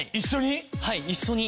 一緒に？